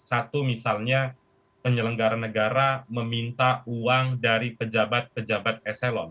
satu misalnya penyelenggara negara meminta uang dari pejabat pejabat eselon